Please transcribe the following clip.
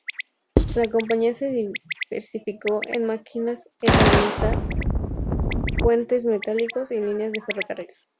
La compañía se diversificó en máquinas-herramienta, puentes metálicos y líneas de ferrocarril.